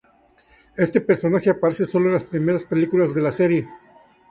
Este personaje aparece sólo en las primeras películas de la serie.